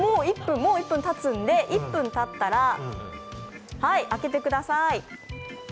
もう１分たつので、１分たったら開けてください。